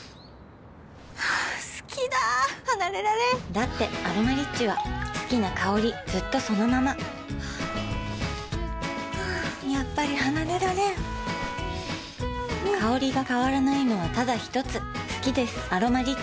好きだ離れられんだって「アロマリッチ」は好きな香りずっとそのままやっぱり離れられん香りが変わらないのはただひとつ好きです「アロマリッチ」